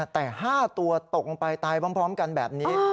แต่๕ตัวตกลงไปตายพร้อมกันแบบนี้